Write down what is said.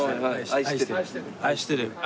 愛してる！